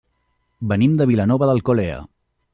Venim de Vilanova d'Alcolea.